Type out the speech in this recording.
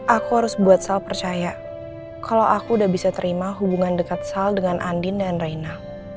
aku harus buat sal percaya kalau aku udah bisa terima hubungan dekat sal dengan andin dan raina